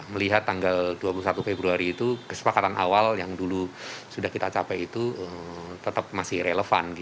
melihat tanggal dua puluh satu februari itu kesepakatan awal yang dulu sudah kita capai itu tetap masih relevan